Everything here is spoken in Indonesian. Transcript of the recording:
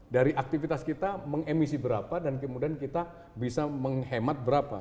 dari aktivitas kita mengemisi berapa dan kemudian kita bisa menghemat berapa